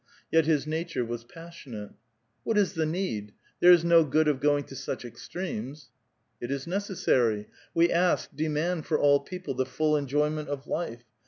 Yet his nature was passionate. '* What is the need? There is no good of going to such ex tremes." " It is necessary. We ask, demand, for all people the full enjoyment of life.